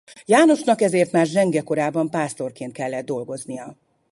Jánosnak ezért már zsenge korában pásztorként kellett dolgoznia.